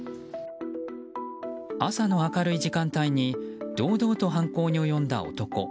朝の明るい時間帯に堂々と犯行に及んだ男。